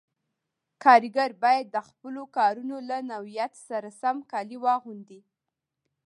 کاریګر باید د خپلو کارونو له نوعیت سره سم کالي واغوندي.